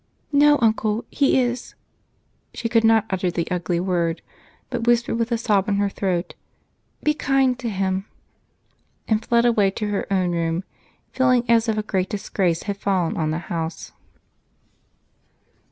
"No, Uncle, he is " She could not utter the ugly word but whispered with a sob in her throat, "Be kind to him," and fled away to her own room, feeling as if a great disgrace had fallen on the house.